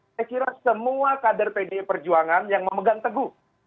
dikira semua kader pde perjuangan yang memegang teguh